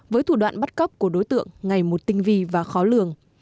với thủ đoạn bắt cóc của đối tượng ngày một tinh vi và khó lường